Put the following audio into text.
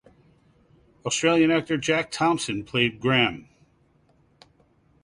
Australian actor Jack Thompson played Graham.